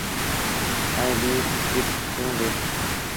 ائيٚݩ ٻيٚ ڪست توݩ ڏي۔